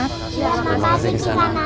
terima kasih kisana